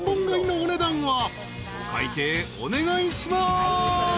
お会計お願いします］